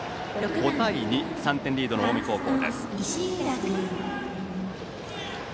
５対２と３点リードの近江高校。